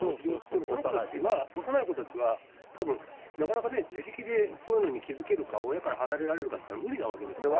でもその子たちは、幼い子たちは、たぶんなかなかね、自力でそういうのに気付けるか、親から離れられるかっていったら無理なわけですから。